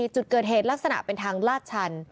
จุดเกิดเหตุลักษณะเป็นทางลาดชัน